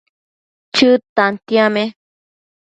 Chëd tantiame